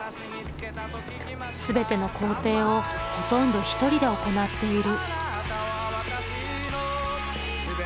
全ての工程をほとんど１人で行っている。